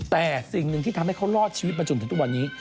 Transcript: แต่สิ่งหนึ่งที่ทำให้เขารอดชีวิตมาจนถึงทุกวันนี้